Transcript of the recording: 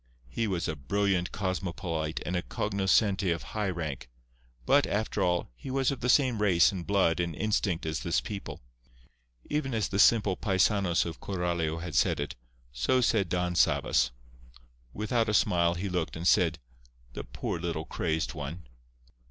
He was a brilliant cosmopolite and a cognoscente of high rank; but, after all, he was of the same race and blood and instinct as this people. Even as the simple paisanos of Coralio had said it, so said Don Sabas. Without a smile, he looked, and said, "The poor little crazed one!"